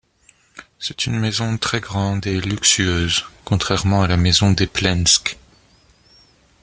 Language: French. C'est une maison très grande et luxueuse contrairement à la maison des Plenske.